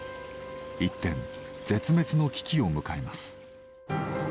一転絶滅の危機を迎えます。